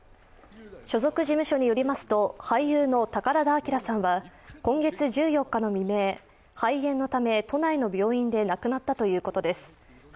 所属事務所によりますと俳優の宝田明さんは今月１４日の未明肺炎のため都内の病院で亡くなったということです。